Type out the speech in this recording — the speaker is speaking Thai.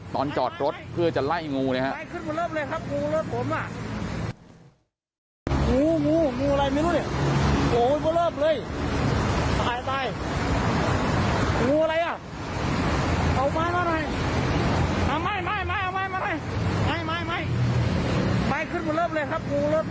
ตอนจอดรถเพื่อจะไล่งูเลยครับ